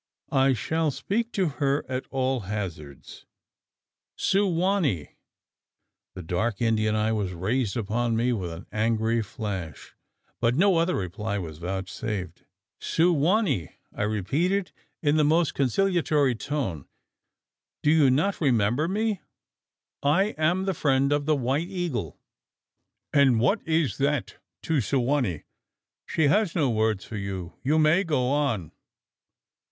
I shall speak to her at all hazards. Su wa nee!" The dark Indian eye was raised upon me with an angry flash; but no other reply was vouchsafed. "Su wa nee!" I repeated in the most conciliatory tone. "Do you not remember me? I am the friend of the White Eagle." "And what is that to Su wa nee? She has no words for you you may go on!"